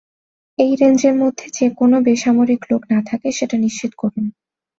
এই রেঞ্জের মধ্যে যেন কোনো বেসামরিক লোক না থাকে সেটা নিশ্চিত করুন।